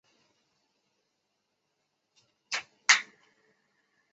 雕纹鱿鱼是一属已灭绝的头足类。